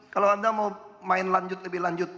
kalau anda mau main lanjut lebih lanjut